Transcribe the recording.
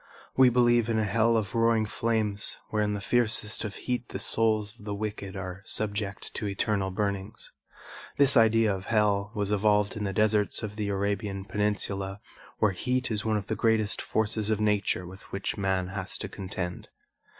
We believe in a hell of roaring flames where in the fiercest of heat the souls of the wicked are subject to eternal burnings. This idea of hell was evolved in the deserts of the Arabian Peninsula where heat is one of the greatest forces of nature with which man has to contend.